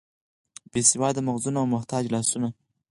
بې سواده مغزونه او محتاج لاسونه.